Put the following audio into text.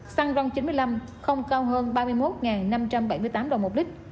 xăng ron chín mươi năm không cao hơn ba mươi một năm trăm bảy mươi tám đồng một lít